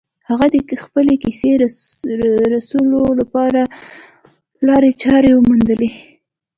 هغه د خپلې کیسې رسولو لپاره لارې چارې وموندلې